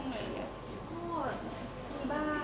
อลุโมงานอ่ะนะคะเราจะไม่มีบ้างเลยนะคะ